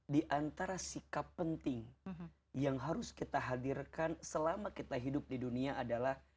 di antara sikap penting yang harus kita hadirkan selama kita hidup di dunia adalah